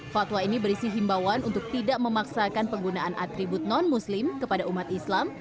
fatwa ini berisi himbawan untuk tidak memaksakan penggunaan atribut non muslim kepada umat islam